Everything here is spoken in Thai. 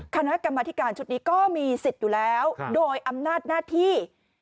คณะกรรมธิการชุดนี้ก็มีสิทธิ์อยู่แล้วโดยอำนาจหน้าที่